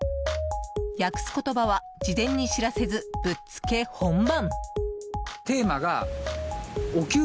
訳す言葉は、事前に知らせずぶっつけ本番！